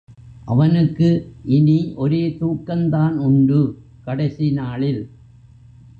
அவனுக்கு இனி ஒரே தூக்கந்தான் உண்டு—கடைசிநாளில்.